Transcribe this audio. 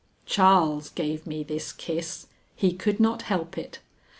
Charles gave me this kiss; he could not help it.